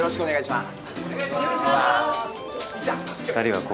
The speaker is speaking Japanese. お願いします！